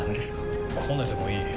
こねてもいい。